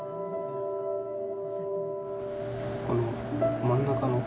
この真ん中の。